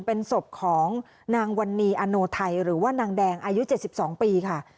เป็นศพของนางวันนี้อโนไทยหรือว่านางแดงอายุ๗๒ปีค่ะ